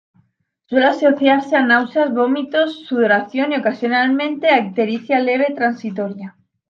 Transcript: Suele asociarse a náuseas, vómitos, sudoración y ocasionalmente a ictericia leve transitoria.